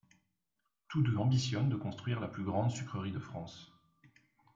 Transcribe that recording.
Tous deux ambitionnent de construire la plus grande sucrerie de France.